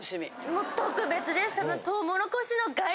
もう特別です。